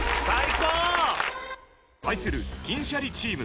対する銀シャリチーム。